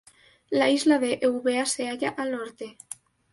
La isla de Eubea se halla al norte.